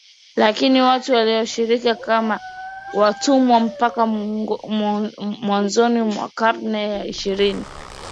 Lakini watu walishikiliwa kama watumwa mpaka mwanzoni mwa karne ya ishirini